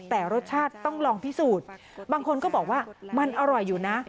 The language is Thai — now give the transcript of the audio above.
แต่รสชาติต้องลองพิสูจน์บางคนก็บอกว่ามันอร่อยอยู่นะ